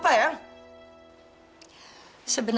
tidak tidak ke deutschland